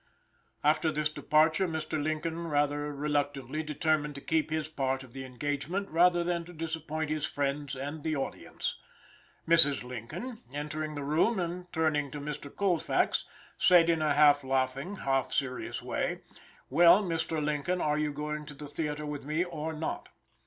After this departure Mr. Lincoln rather reluctantly determined to keep his part of the engagement, rather than to disappoint his friends and the audience. Mrs. Lincoln, entering the room and turning to Mr. Colfax, said, in a half laughing, half serious way, "Well, Mr. Lincoln, are you going to the theater with me or not?"